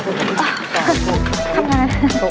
อุ๊ย